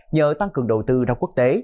nhờ tăng cường đầu tư ra quốc tế